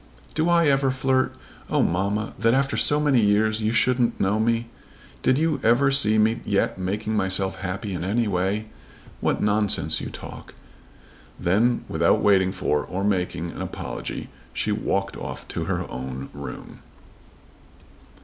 "Do I ever flirt? Oh, mamma, that after so many years you shouldn't know me! Did you ever see me yet making myself happy in any way? What nonsense you talk!" Then without waiting for, or making, any apology, she walked off to her own room.